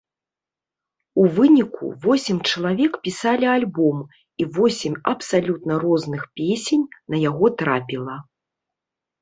У выніку восем чалавек пісалі альбом і восем абсалютна розных песень на яго трапіла.